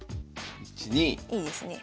いいですね。